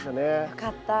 よかった。